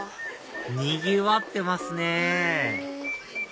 にぎわってますね